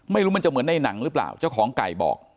ไม่รู้มันจะเหมือนในหนังหรือเปล่าเจ้าของไก่บอก